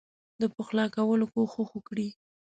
د پخلا کولو کوښښ وکړي.